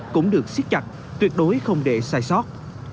vẫn được xích chặt tuyệt đối không để sai sót